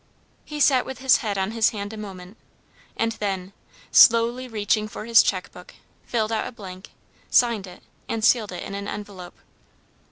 He sat with his head on his hand a moment, and then, slowly reaching for his check book filled out a blank, signed it, and sealed it in an envelope.